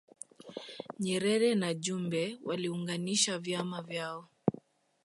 Nyerere na Jumbe waliunganisha vyama vyao